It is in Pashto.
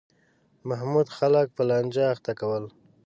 محمود خلک په لانجه اخته کول.